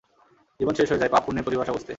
জীবন শেষ হয়ে যায়, পাপ পূণ্যের পরিভাষা বুঝতে।